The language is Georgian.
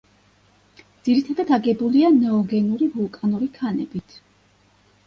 ძირითადად აგებულია ნეოგენური ვულკანური ქანებით.